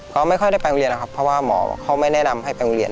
ก็ไม่ค่อยได้ไปโรงโรงเรียนค่ะเพราะว่าหมอเขาไม่แน่นำให้ไปโรงโรงเรียน